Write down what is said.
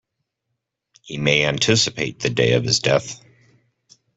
He may anticipate the day of his death.